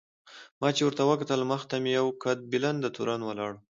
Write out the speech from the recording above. ما چې ورته وکتل مخې ته مې یو قد بلنده تورن ولاړ و.